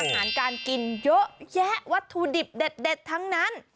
อาหารการกินเยอะแยะวัตถุดิบเด็ดทั้งนั้น